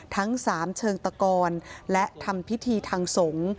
ทั้ง๓เชิงตะกรและทำพิธีทางสงฆ์